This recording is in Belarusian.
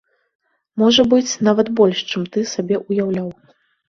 Можа быць, нават больш, чым ты сабе ўяўляў.